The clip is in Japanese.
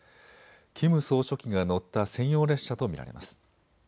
キム総書記が乗った専用列車と見られます。